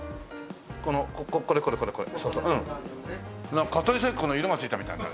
なんか蚊取り線香の色がついたみたいな。